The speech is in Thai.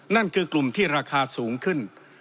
นั่นคือกลุ่มที่ราคาสูงขึ้น